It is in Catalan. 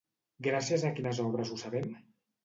Gràcies a quines obres ho sabem?